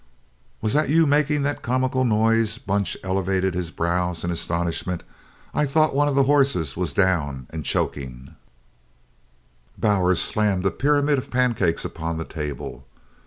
"Was that you makin' that comical noise?" Bunch elevated his brows in astonishment. "I thought one of the horses was down, and chokin'." Bowers slammed a pyramid of pancakes upon the table.